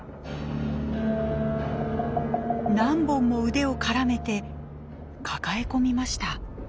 何本も腕を絡めて抱え込みました。